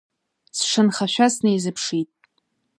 Сшанхашәа снаизыԥшит.